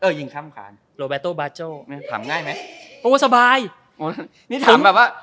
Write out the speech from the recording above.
เออยิงคล้ามคลานโรแบตโตบาโจนี่ถามง่ายไหมโอ้สบายนี่ถามแบบว่า